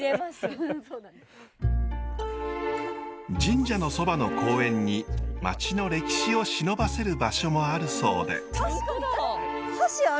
神社のそばの公園に町の歴史をしのばせる場所もあるそうで。